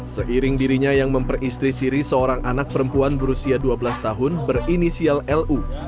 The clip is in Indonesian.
seiring dirinya yang memperistri siri seorang anak perempuan berusia dua belas tahun berinisial lu